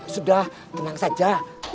sudah tenang saja